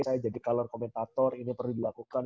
saya jadi color komentator ini perlu dilakukan